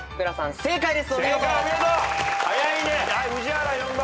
正解です。